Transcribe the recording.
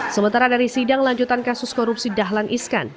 sementara dari sidang lanjutan kasus korupsi dahlan iskan